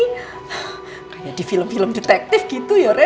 kayak di film film detektif gitu ya ren